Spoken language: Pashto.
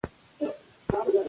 هغه د ملالۍ په اړه پوښتنې کوي.